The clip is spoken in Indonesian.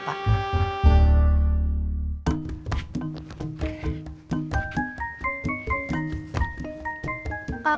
mereka berdua berdua berdua